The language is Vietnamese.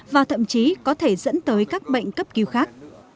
và thậm chí có thể dẫn tới các bệnh cấp cứu khác